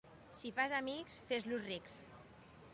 Si fas amics, fes-los rics.